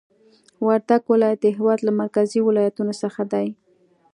وردګ ولایت د هېواد له مرکزي ولایتونو څخه دی